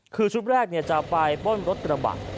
คือชุดแรกจะไปปล้นรถกระบะ